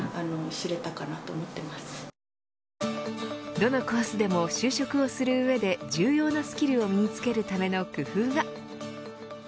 どのコースでも就職をする上で重要なスキルを身に付けるための工夫が。